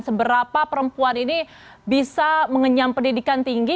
seberapa perempuan ini bisa mengenyam pendidikan tinggi